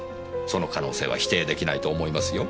その可能性は否定出来ないと思いますよ。